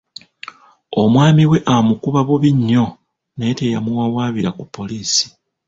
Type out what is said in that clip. Omwami we amukuba bubi nnyo naye teyamuwawaabira ku poliisi.